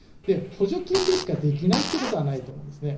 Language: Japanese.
補助金でしかできないってことはないと思うんですね。